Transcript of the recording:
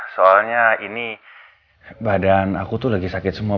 soalnya ini badan aku tuh lagi sakit semua